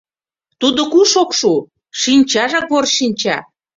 — Тудо куш ок шу, шинчажак вор шинча.